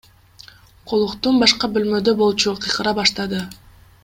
Колуктум башка бөлмөдө болчу, кыйкыра баштады.